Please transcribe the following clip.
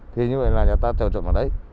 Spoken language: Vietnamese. thì như vậy là nhà ta trở trọng ở đấy